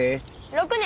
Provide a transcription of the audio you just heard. ６年！